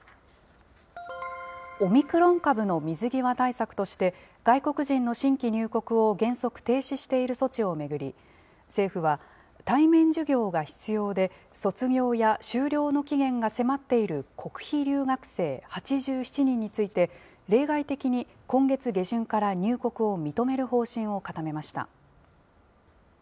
オミクロン株の水際対策として、外国人の新規入国を原則停止している措置を巡り、政府は、対面授業が必要で、卒業や修了の期限が迫っている国費留学生８７人について、例外的に今月下旬から入国を認める方針を固めました。